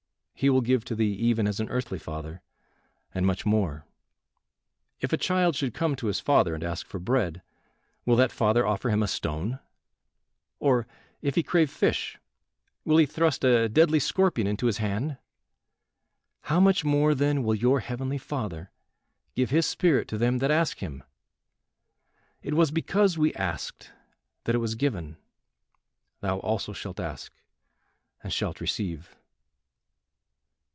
He will give to thee even as an earthly father, and much more; if a child should come to his father and ask for bread will that father offer him a stone? or if he crave fish, will he thrust a deadly scorpion into his hand? How much more then will your heavenly Father give his spirit to them that ask him. It was because we asked that it was given. Thou also shalt ask and shalt receive."